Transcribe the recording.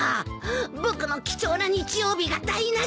僕の貴重な日曜日が台無しだよ！